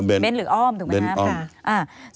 เบ้นต์หรืออ้อมถูกไหมคะ